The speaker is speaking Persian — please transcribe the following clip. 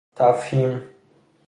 تفهیم